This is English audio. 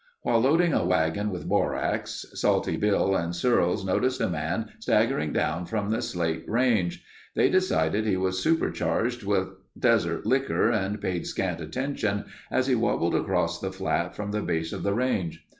While loading a wagon with borax, Salty Bill and Searles noticed a man staggering down from the Slate Range. They decided he was supercharged with desert likker and paid scant attention as he wobbled across the flat from the base of the range.